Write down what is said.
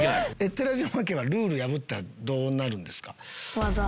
寺島家はルール破ったらどうなるんですか？